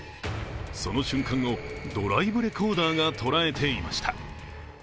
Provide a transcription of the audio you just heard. その瞬間をドライブレコーダーが捉えていました。